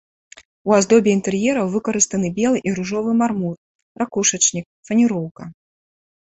У аздобе інтэр'ераў выкарыстаны белы і ружовы мармур, ракушачнік, фанероўка.